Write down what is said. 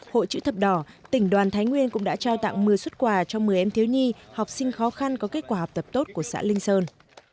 hội chữ thập đỏ tỉnh đoàn thái nguyên cũng đã trao tặng một mươi xuất quà cho một mươi em thiếu nhi học sinh khó khăn có kết quả học tập tốt của xã linh sơn